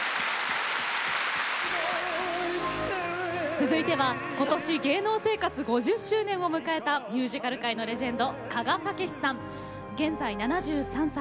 続いては今年芸能生活５０周年を迎えたミュージカル界のレジェンド現在７３歳。